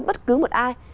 bất cứ một ai